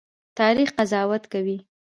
تاریخ قضاوت کوي